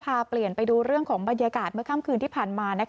พาเปลี่ยนไปดูเรื่องของบรรยากาศเมื่อค่ำคืนที่ผ่านมา